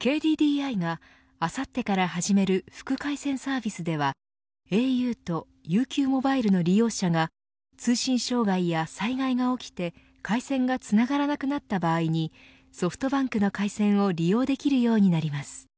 ＫＤＤＩはあさってから始める副回線サービスではａｕとＵＱモバイルの利用者が通信障害や災害が起きて回線がつながらなくなった場合にソフトバンクの回線を利用できるようになります。